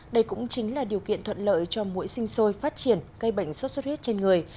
đây cũng chính là điều kiện thuận lợi cho mũi sinh sôi phát triển gây bệnh sốt xuất huyết trên người